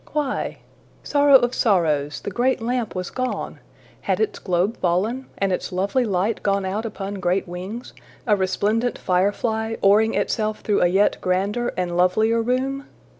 Why? Sorrow of sorrows! the great lamp was gone! Had its globe fallen? and its lovely light gone out upon great wings, a resplendent firefly, oaring itself through a yet grander and lovelier room?